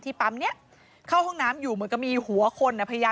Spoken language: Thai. ที่ปั๊มเนี่ยเข้าห้องน้ำอยู่เหมือนกับมีหัวคนนะ